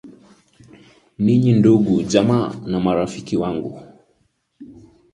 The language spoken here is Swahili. ninyi ndugu jamaa na marafiki wangu